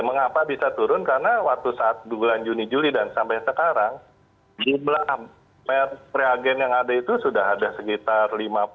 mengapa bisa turun karena waktu saat bulan juni juli dan sampai sekarang jumlah reagen yang ada itu sudah ada sekitar lima puluh